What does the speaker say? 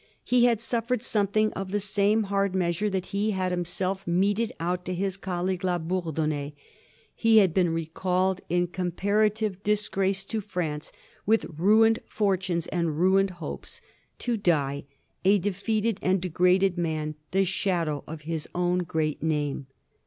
He had suffered something of the same hard measure that he had himself meted out to his colleague La Bourdonnais; he had been recalled in comparative disgrace to France, with ruined fortunes and ruined hopes, to die, a defeated and degraded man, the shadow of his own great name.